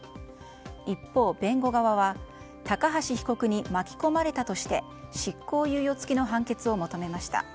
一方、弁護側は高橋被告に巻き込まれたとして執行猶予付きの判決を求めました。